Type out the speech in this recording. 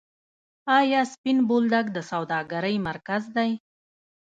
آیا سپین بولدک د سوداګرۍ مرکز دی؟